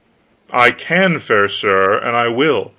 "I can, fair sir, and I will.